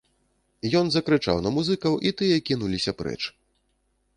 Ён закрычаў на музыкаў і тыя кінуліся прэч.